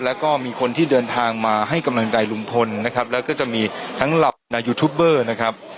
แล้วก็มีคนที่เดินทางมาให้กำลังใจลุงพลนะครับแล้วก็จะมีทั้งเหล่านายูทูบเบอร์นะครับ